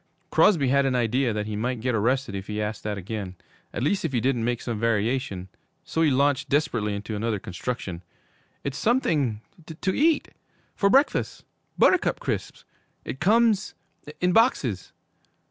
Crosby had an idea that he might get arrested if he asked that again, at least if he didn't make some variation, so he launched desperately into another construction. 'It's something to eat! For breakfast! Buttercup Crisps! It comes in boxes.'